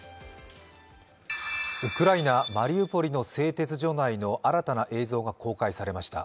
ウクライナ・マリウポリの製鉄所内の新たな映像が公開されました。